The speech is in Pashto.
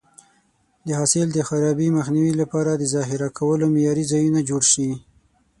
د حاصل د خرابي مخنیوي لپاره د ذخیره کولو معیاري ځایونه جوړ شي.